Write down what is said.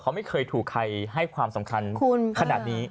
เขาไม่เคยถูกใครให้ความสำคัญขนาดนี้